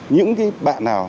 những cái bạn nào